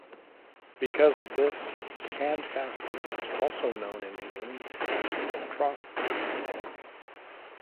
Because of this, handfasting was also known in England as "troth-plight".